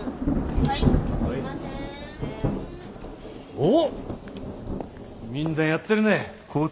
おっみんなやってるね。